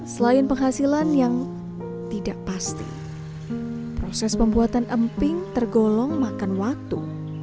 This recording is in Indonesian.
selain penghasilan yang tidak pasti proses pembuatan emping tergolong makan waktu